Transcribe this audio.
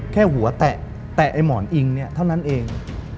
แค่หัวแตะไอ้หมอนอิงเนี่ยเท่านั้นเอง